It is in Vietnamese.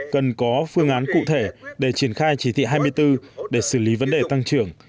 cần có phương án cụ thể để triển khai chỉ thị hai mươi bốn để xử lý vấn đề tăng trưởng